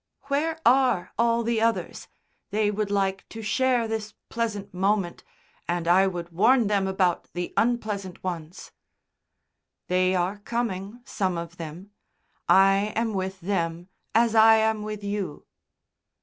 "Where are all the others? They would like to share this pleasant moment, and I would warn them about the unpleasant ones." "They are coming, some of them. I am with them as I am with you."